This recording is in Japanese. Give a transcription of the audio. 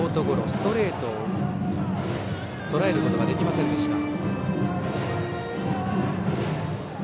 ストレートをとらえることができませんでした。